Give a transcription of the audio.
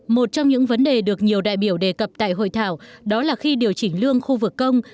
một trong những vấn đề được nhiều đại biểu đề cập tại hội thảo đó là khi điều chỉnh lương khu vực công